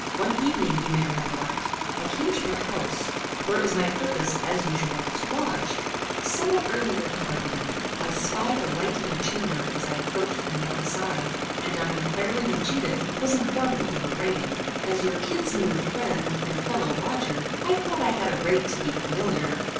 One evening, you may recollect, I came to your house, where it was my purpose, as usual, to lodge, somewhat earlier than ordinary. I spied a light in your chamber as I approached from the outside, and on inquiring of Judith, was informed that you were writing. As your kinsman and friend, and fellow lodger, I thought I had a right to be familiar.